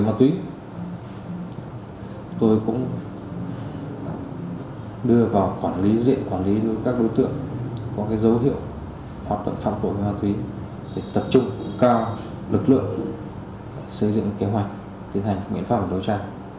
về ma túy tôi cũng đưa vào quản lý diện quản lý các đối tượng có cái dấu hiệu hoạt động phát bổ ma túy để tập trung cao lực lượng xây dựng kế hoạch tiến hành các nguyện pháp và đấu tra